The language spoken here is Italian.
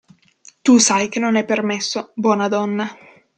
Tu sai che non è permesso, buona donna.